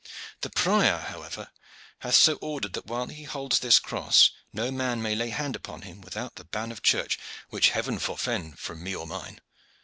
The prior, however, hath so ordered that while he holds this cross no man may lay hand upon him without the ban of church, which heaven forfend from me or mine.